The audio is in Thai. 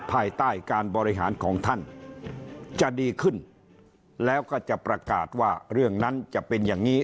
ภายใต้การบริหารของท่านจะดีขึ้นแล้วก็จะประกาศว่าเรื่องนั้นจะเป็นอย่างนี้